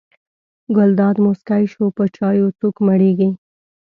ګلداد موسکی شو: په چایو څوک مړېږي.